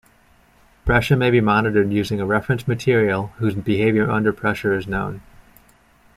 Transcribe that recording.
Pressure may be monitored using a reference material whose behavior under pressure is known.